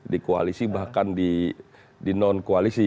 di koalisi bahkan di non koalisi